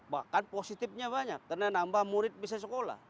bahkan positifnya banyak karena nambah murid bisa sekolah